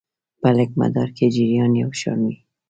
په لړیز مدار کې جریان یو شان وي.